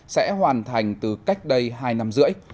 sẽ hoàn thành từ cách đây hai năm rưỡi